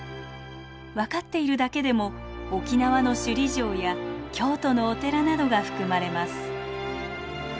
分かっているだけでも沖縄の首里城や京都のお寺などが含まれます。